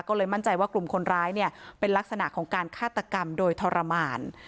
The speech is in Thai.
ก็เลยมั่นใจว่ากลุ่มคนร้ายเนี่ยเป็นลักษณะของการฆาตกรรมโดยทรมาน